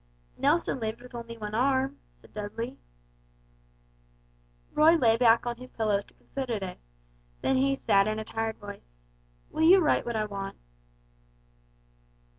"Nelson lived with only one arm," said Dudley. Roy lay back on his pillows to consider this; then he said in a tired voice: "Will you write what I want?"